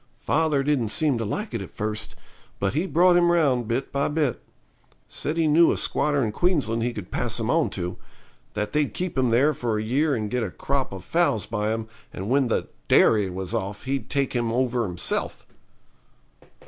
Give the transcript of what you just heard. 'Father didn't seem to like it at first, but he brought him round bit by bit said he knew a squatter in Queensland he could pass him on to; that they'd keep him there for a year and get a crop of foals by him, and when the "derry" was off he'd take him over himself.'